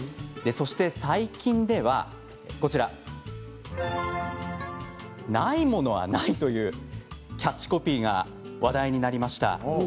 最近ではないものはないというキャッチコピーが話題になりました。